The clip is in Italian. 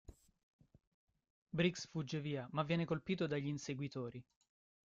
Briggs fugge via ma viene colpito dagli inseguitori.